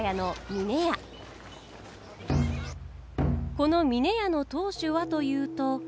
この峰屋の当主はというと。